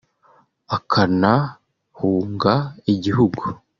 akanahunga igihugu